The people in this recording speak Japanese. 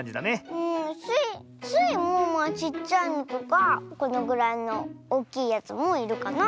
スイもちっちゃいのとかこのぐらいのおっきいやつもいるかな。